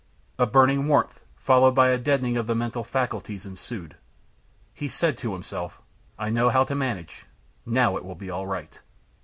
A burning warmth, followed by a deadening of the mental faculties, ensued. He said to himself: "I know how to manage. Now it will be all right!"